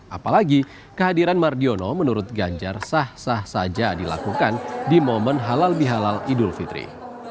apalagi kehadiran mardiono menurut ganjar sah sah saja dilakukan di momen halal bihalal idul fitri